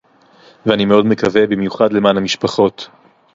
ואני מאוד מקווה, במיוחד למען המשפחות